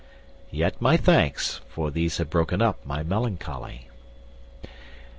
yet my thanks, For these have broken up my melancholy."